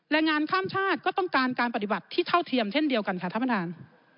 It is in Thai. แรงงานข้ามชาติก็ต้องการการปฏิบัติที่เท่าเทียมเช่นเดียวกันค่ะท่านประธาน